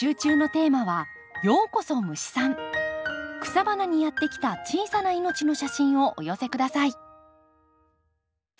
草花にやって来た小さな命の写真をお寄せ下さい。